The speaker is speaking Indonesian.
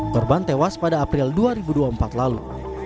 korban tewas pada april dua ribu dua puluh empat lalu